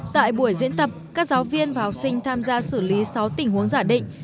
tại buổi diễn tập các giáo viên và học sinh tham gia xử lý sáu tình huống giả định